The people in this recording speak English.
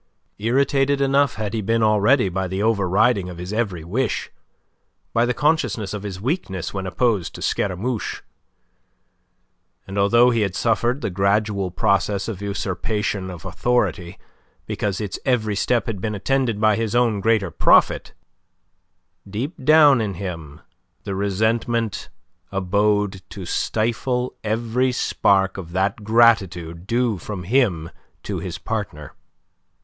Irritated enough had he been already by the overriding of his every wish, by the consciousness of his weakness when opposed to Scaramouche. And, although he had suffered the gradual process of usurpation of authority because its every step had been attended by his own greater profit, deep down in him the resentment abode to stifle every spark of that gratitude due from him to his partner.